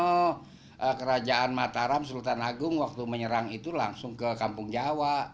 karena kerajaan mataram sultan agung waktu menyerang itu langsung ke kampung jawa